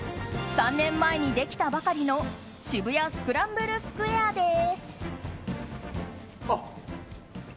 ３年前にできたばかりの渋谷スクランブルスクエアです。